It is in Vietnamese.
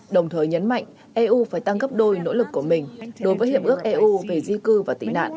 đồng thời nhấn mạnh eu phải tăng gấp đôi nỗ lực của mình đối với hiệp ước eu về di cư và tị nạn